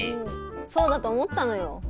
そうだと思ったのよ。